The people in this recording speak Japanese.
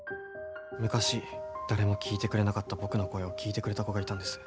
昔誰も聞いてくれなかった僕の声を聞いてくれた子がいたんです。